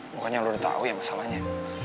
makanya lo udah tahu ya masalahnya